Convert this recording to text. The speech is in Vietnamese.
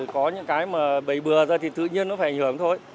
có những cái mà bầy bừa ra thì tự nhiên nó phải ảnh hưởng thôi